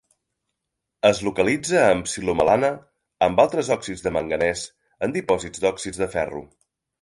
Es localitza en psilomelana amb altres òxids de manganès, en dipòsits d'òxids de ferro.